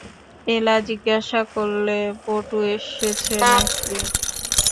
এলা জিজ্ঞাসা করলে, বটু এসেছে না কি?